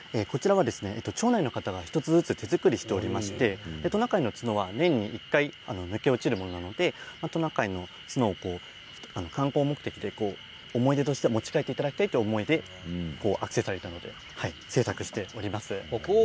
町内の方が一つ一つ手作りしておりましてトナカイの角は年に１回抜け落ちるものなのでトナカイの角を観光目的で思い出として持ち帰っていただきたいという思いでアクセサリーを製作しております。